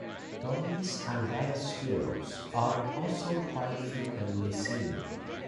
Dormice and red squirrel s are also quite frequently seen.